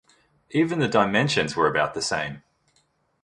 Even the dimensions were about the same.